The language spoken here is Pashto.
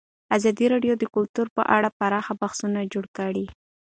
ازادي راډیو د کلتور په اړه پراخ بحثونه جوړ کړي.